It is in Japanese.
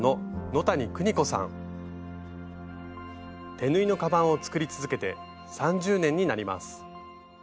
手縫いのカバンを作り続けて３０年になります。